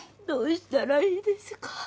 どうしたらいいですか？